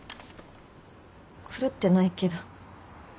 狂ってないけど。